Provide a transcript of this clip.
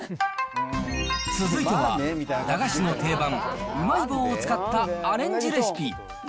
続いては、駄菓子の定番、うまい棒を使ったアレンジレシピ。